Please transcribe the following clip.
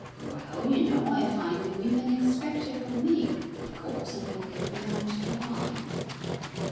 "Well, you know, I find the women expect it from me. Of course, I never go beyond the line."